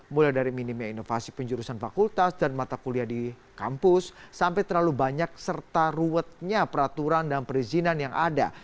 mulai dari minimnya inovasi penjurusan fakultas dan mata kuliah di kampus sampai terlalu banyak serta ruwetnya peraturan dan perizinan yang ada